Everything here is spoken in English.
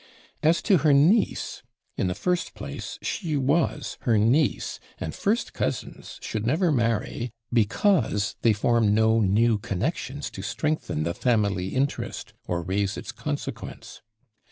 As to her niece; in the first place, she was her niece, and first cousins should never marry, because they form no new connexions to strengthen the family interest, or raise its consequence.